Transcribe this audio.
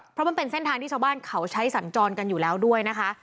เพราะมันเป็นเส้นทางที่ชาวบ้านเขาใช้สัญจรกันอยู่แล้วด้วยนะคะ